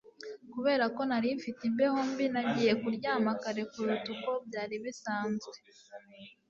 Kubera ko nari mfite imbeho mbi nagiye kuryama kare kuruta uko byari bisanzwe